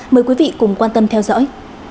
mời quý vị cùng quan tâm theo dõi